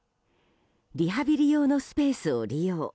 リハビリ用のスペースを利用。